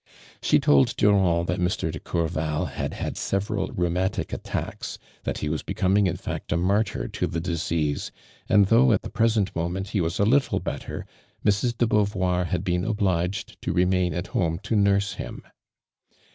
She told Durand that Mr. de Courval had had several severe rheumatic iittacks, that he was becoming in fact a mai tyr to the disease, and though at the present moment he was a little better, Mrs. de Beauvoir had been obliged to remain at home to nurse him.